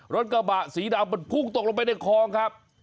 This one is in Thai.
รถกระบะสีดำมันพุ่งตกลงไปในคลองครับ